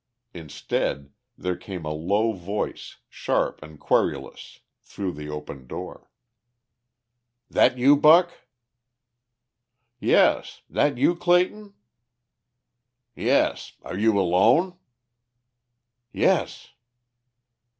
Instead there came a low voice, sharp and querulous, through the open door. "That you, Buck?" "Yes. That you, Clayton?" "Yes. Are you alone?" "Yes."